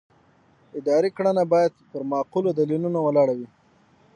اداري کړنه باید پر معقولو دلیلونو ولاړه وي.